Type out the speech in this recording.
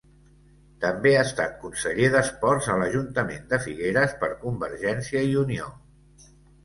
També ha estat conseller d'esports a l'ajuntament de Figueres per Convergència i Unió.